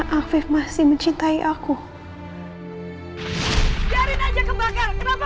afif kamu masih cinta sama bella